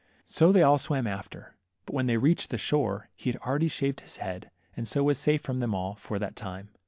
So they all swam after, but when they reached the shore, he had already shaved his head, and so was safe from them all for that time.